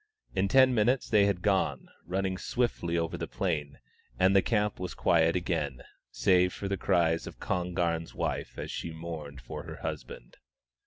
In ten minutes they had gone, running swiftly over the plain, and the camp was quiet again, save for the cries of Kon garn's wife as she mourned for her husband.